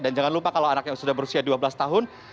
dan jangan lupa kalau anak yang sudah berusia dua belas tahun